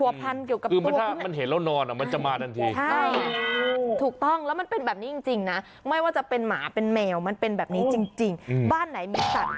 มันก็จะมาปลุกมาเรียกมาผัวพันเกี่ยวกับตัว